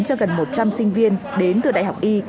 cho gần một trăm linh sinh viên đến từ đại học y